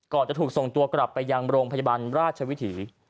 จะถูกส่งตัวกลับไปยังโรงพยาบาลราชวิถี